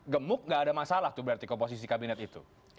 gemuk gak ada masalah tuh berarti komposisi kabinet itu